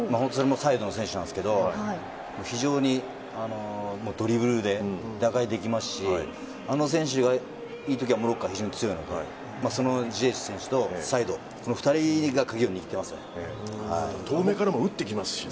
サイドの選手なんですけど非常にドリブルで打開できますしあの選手がいい時はモロッコは非常に強いのでそのジエシュ選手とサイド、この２人が鍵を握ってますね。